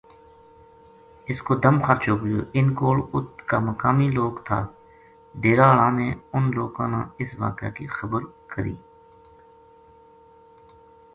اس کو دم خرچ ہو گیو اِنھ کول اُت کا مقامی لوک تھا ڈیرا ہالاں نے اُنھ لوکاں نا اس واقعہ کی خبر کری